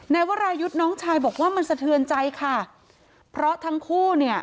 วรายุทธ์น้องชายบอกว่ามันสะเทือนใจค่ะเพราะทั้งคู่เนี่ย